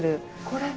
これ？